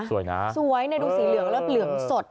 สวยนะสวยเนี่ยดูสีเหลืองแล้วเหลืองสด